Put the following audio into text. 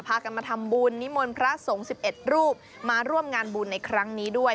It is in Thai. พากันมาทำบุญนิมนต์พระสงฆ์๑๑รูปมาร่วมงานบุญในครั้งนี้ด้วย